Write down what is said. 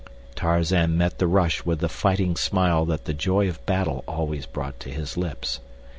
Tarzan met the rush with the fighting smile that the joy of battle always brought to his lips.